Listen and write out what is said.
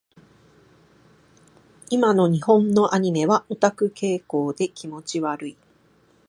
今の日本のアニメはオタク傾向で気持ち悪い。